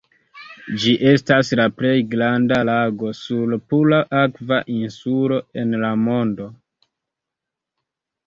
Ĝi estas la plej granda lago sur pura akva insulo en la mondo.